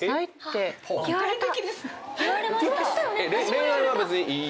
恋愛は別にいい？